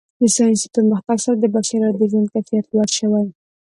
د ساینسي پرمختګ سره د بشریت د ژوند کیفیت لوړ شوی.